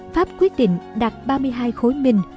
pháp quyết định đặt ba mươi hai khối mình